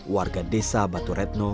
warga desa batu retno